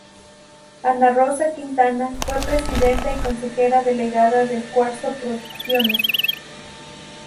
Ana Rosa Quintana fue presidenta y consejera delegada de Cuarzo Producciones.